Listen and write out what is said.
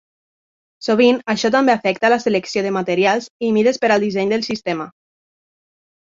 Sovint això també afecta la selecció de materials i mides per al disseny del sistema.